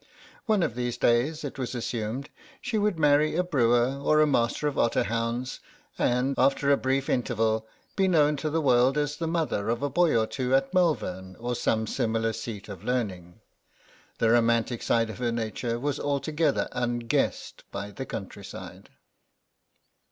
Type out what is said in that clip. One of these days, it was assumed, she would marry a brewer or a Master of Otter Hounds, and, after a brief interval, be known to the world as the mother of a boy or two at Malvern or some similar seat of learning. The romantic side of her nature was altogether unguessed by the countryside.